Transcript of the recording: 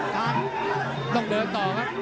ต้องเดินต่อ